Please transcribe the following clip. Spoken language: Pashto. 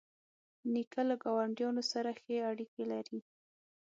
نیکه له ګاونډیانو سره ښې اړیکې لري.